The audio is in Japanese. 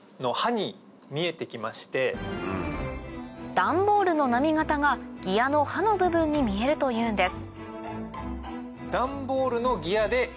ダンボールの波形がギヤの歯の部分に見えるというんです